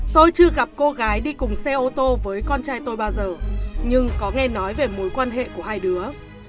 tôi chưa gặp cô gái đi cùng xe ô tô với con trai tôi bao giờ nhưng có nghe nói về mối quan hệ của hai đứa